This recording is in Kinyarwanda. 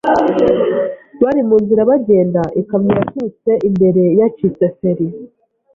Bari mu nzira bagenda ikamyo yabaturutse imbere yacitse feri,